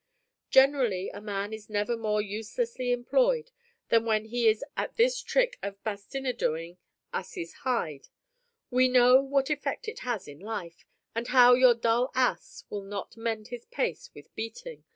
Generally a man is never more uselessly employed than when he is at this trick of bastinadoing asses' hide. We know what effect it has in life, and how your dull ass will not mend his pace with beating.